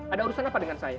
ada urusan apa dengan saya